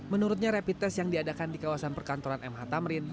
menurutnya repitest yang diadakan di kawasan perkantoran mh tamrin